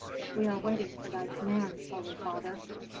"We are waiting for thy commands, holy father."